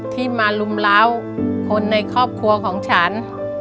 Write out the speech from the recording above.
ที่มาลุมล้าวคนในครอบครัวของฉัน